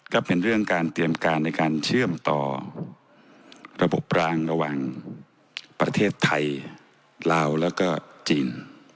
ก็เป็นเรื่องการเตรียมการในการเชื่อมต่อระบบรางระหว่างประเทศไทยลาวแล้วก็จีน